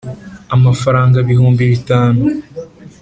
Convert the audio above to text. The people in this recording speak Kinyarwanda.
amafaranga bihumbi bitanu